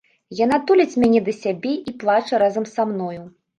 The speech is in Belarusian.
Яна туліць мяне да сябе і плача разам са мною.